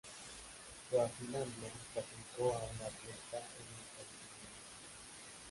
Suazilandia clasificó a una atleta en esta disciplina.